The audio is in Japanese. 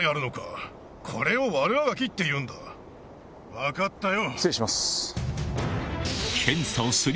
分かったよ。